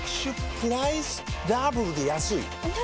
プライスダブルで安いＮｏ！